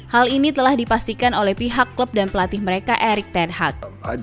hal ini telah dipastikan oleh pihak klub dan pelatih mereka eric ten haad